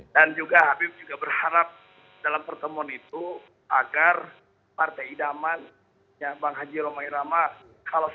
yang ketiga juga menolak berkuormas